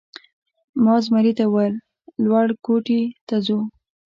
ما زمري ته وویل: لوړ کوټې ته ځو؟